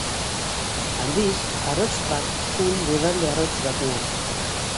Aldiz, arrotz bat zen lurralde arrotz batean.